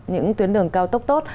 những tuyến đường cao tốc tốt